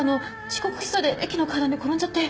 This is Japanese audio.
遅刻しそうで駅の階段で転んじゃって。